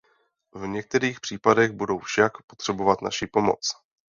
V některých případech budou však potřebovat naši pomoc.